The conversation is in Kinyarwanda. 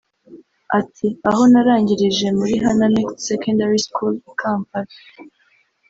Ati “Aho narangirije muri Hana Mixed Secondary School i Kampala